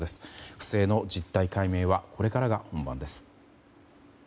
不正の実態解明はこれからが本番です。